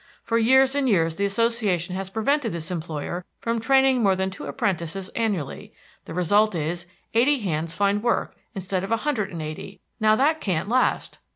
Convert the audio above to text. For years and years the Association has prevented this employer from training more than two apprentices annually. The result is, eighty hands find work, instead of a hundred and eighty. Now, that can't last."